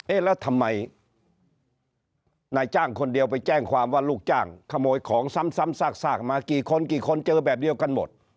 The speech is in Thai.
แล้วทำไมนายจ้างคนเดียวไปแจ้งความว่าลูกจ้างขโมยของซ้ำซากมากี่คนกี่คนเจอแบบเดียวกันหมด